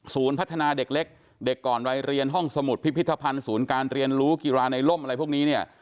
พัฒนาเด็กเล็กเด็กก่อนวัยเรียนห้องสมุดพิพิธภัณฑ์ศูนย์การเรียนรู้กีฬาในล่มอะไรพวกนี้เนี่ย